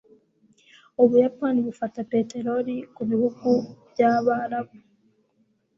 Ubuyapani bufata peterori ku bihugu by'Abarabu